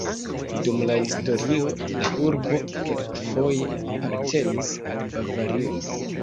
Dum la historio la urbo kelkfoje apartenis al Bavario.